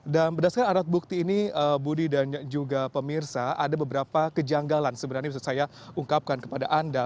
dan berdasarkan arah bukti ini budi dan juga pemirsa ada beberapa kejanggalan sebenarnya yang bisa saya ungkapkan kepada anda